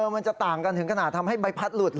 มันจะต่างกันถึงกระหน่าทำให้ใบพัดหลุดเหรอ